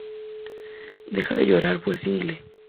Deja de llorar fue single.